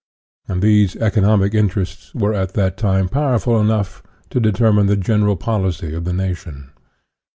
And these economic interests were at that time powerful enough to determine the general policy of the nation.